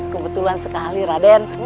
kebetulan sekali raden